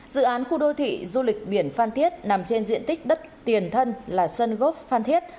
dự án khu đô thị du lịch biển phan thiết nằm trên diện tích đất tiền thân là sân gốc phan thiết